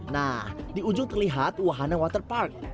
nah di ujung terlihat wahana waterpark